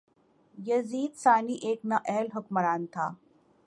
یزید ثانی ایک نااہل حکمران تھا